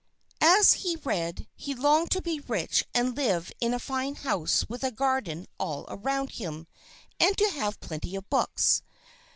And as he read, he longed to be rich and live in a fine house with a garden all round him, and to have plenty of books.